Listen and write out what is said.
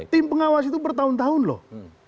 tim pengawas itu bertahun tahun loh